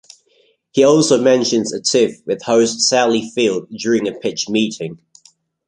He also mentions a tiff with host Sally Field during a pitch meeting.